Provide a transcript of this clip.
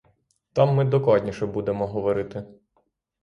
Там ми докладніше будемо говорити.